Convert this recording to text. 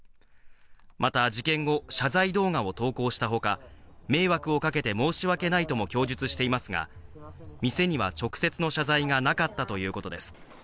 また事件後、謝罪動画を投稿したほか、迷惑をかけて申し訳ないとも供述していますが、店には直接の謝罪がなかったということです。